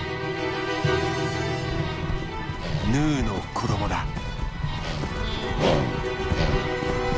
ヌーの子どもだ。